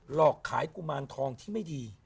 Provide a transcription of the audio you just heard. หลอกขายกุมารทองที่ไม่ดี